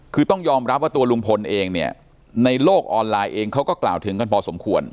คือต้องยอมรับว่าตัวลุงพลเองเนี่ยในโลกออนไลน์เองเขาก็กล่าวถึงกันพอสมควร